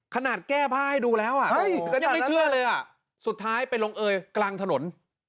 ขนาดแก้ผ้าให้ดูแล้วก็ยังไม่เชื่อเลยอ่ะสุดท้ายไปลงเอยกลางถนน